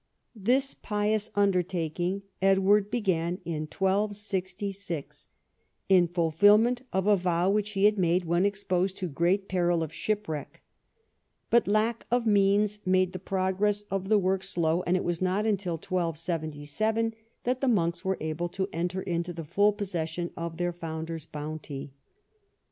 This pious under taking Edward began in 1266, in fulfilment of a vow which he had made when exposed to great peril of ship wreck ; but lack of means made the progress of the work slow, and it was not until 1277 that the monks were able to enter into the full possession of their founder's bounty.